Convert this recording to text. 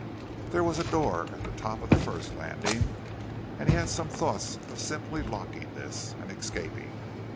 There was a door at the top of the first landing, and he had some thoughts of simply locking this, and escaping.